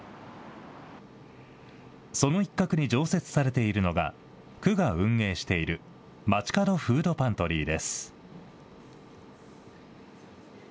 その一角に常設されているのが、区が運営している、街かどフードパントリーです。